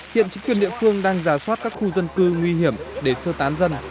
hiện chính quyền địa phương đang giả soát các khu dân cư nguy hiểm để sơ tán dân